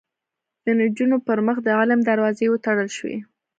د نجونو پر مخ د علم دروازې وتړل شوې